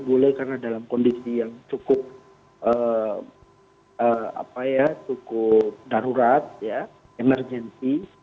boleh karena dalam kondisi yang cukup darurat ya emergensi